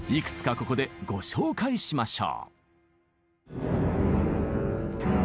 ここでご紹介しましょう。